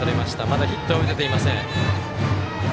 まだヒットは出ていません。